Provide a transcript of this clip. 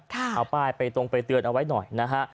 เอาป้ายไปตรงไปเตือนเอาไว้หน่อยนะฮะ